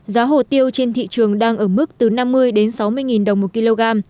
giá hồ tiêu trên thị trường đang ở mức từ năm mươi đến sáu mươi đồng một kg